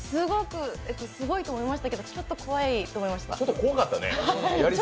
すごいと思いましたけどちょっと怖いと思いました。